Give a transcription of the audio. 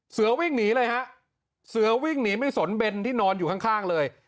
วิ่งหนีเลยฮะเสือวิ่งหนีไม่สนเบนที่นอนอยู่ข้างเลย